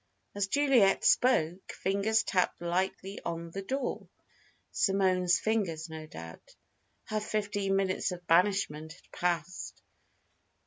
As Juliet spoke, fingers tapped lightly on the door: Simone's fingers, no doubt. Her fifteen minutes of banishment had passed.